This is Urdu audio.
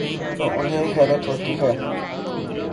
تو انہیں حیرت ہو تی ہے۔